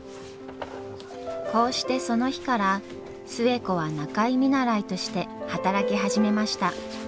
こうしてその日から寿恵子は仲居見習いとして働き始めました。